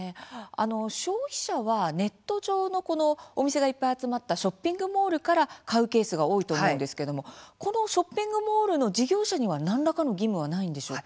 消費者は、ネット上のお店がいっぱい集まったショッピングモールから買うケースが多いと思うんですけどもこのショッピングモールの事業者には何らかの義務はないんでしょうか？